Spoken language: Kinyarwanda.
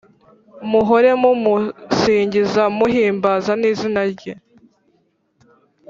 muhore mumusingiza muhimbaza n izina rye